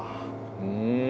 うん。